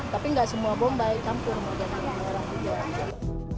tapi nggak semua bombay campur